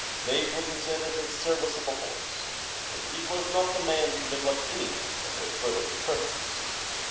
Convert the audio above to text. They represented a serviceable force, and he was not the man to neglect anything that would further his purposes.